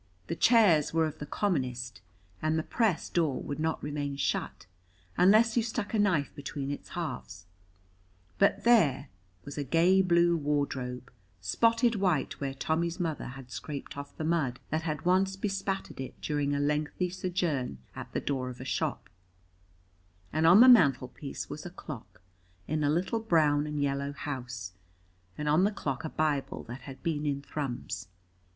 The chairs were of the commonest, and the press door would not remain shut unless you stuck a knife between its halves; but there, was a gay blue wardrobe, spotted white where Tommy's mother had scraped off the mud that had once bespattered it during a lengthy sojourn at the door of a shop; and on the mantelpiece was a clock in a little brown and yellow house, and on the clock a Bible that had been in Thrums.